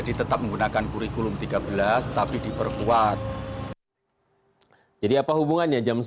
sebenarnya untuk bekerja hanya butuh delapan jam